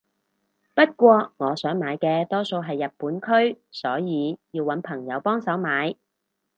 不過我想買嘅多數係日本區所以要搵朋友幫手買